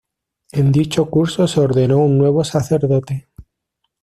En dicho curso se ordenó un nuevo sacerdote.